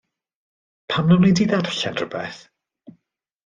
Pam na wnei di ddarllen rhywbeth?